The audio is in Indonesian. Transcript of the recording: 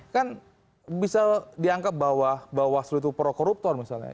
kan bisa dianggap bahwa bawaslu itu pro koruptor misalnya